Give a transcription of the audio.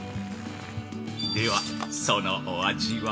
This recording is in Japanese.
では、そのお味は？